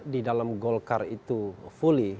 di dalam golkar itu fully